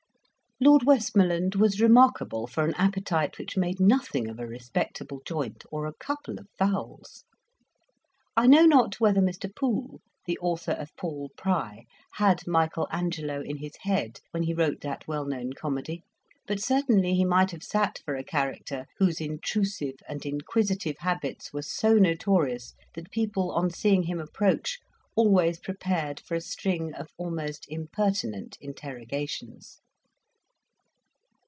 Lord Westmoreland was remarkable for an appetite which made nothing of a respectable joint, or a couple of fowls. I know not whether Mr. Poole, the author of Paul Pry, had Michael Angelo in his head when he wrote that well known comedy; but certainly he might have sat for a character whose intrusive and inquisitive habits were so notorious, that people on seeing him approach always prepared for a string of almost impertinent interrogations.